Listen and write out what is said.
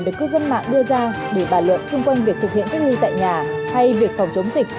được cư dân mạng đưa ra để bàn luận xung quanh việc thực hiện cách ly tại nhà hay việc phòng chống dịch